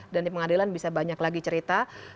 dan di pengadilan bisa banyak lagi cerita